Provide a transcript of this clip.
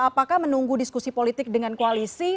apakah menunggu diskusi politik dengan koalisi